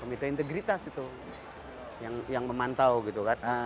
komite integritas itu yang memantau gitu kan